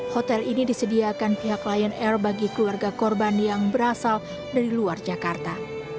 hotel ini disediakan pihak lion air bagi keluarga korban yang berasal dari luar jakarta